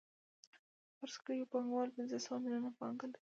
فرض کړئ یو پانګوال پنځه سوه میلیونه پانګه لري